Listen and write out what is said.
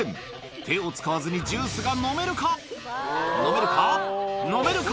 手を使わずにジュースが飲めるか。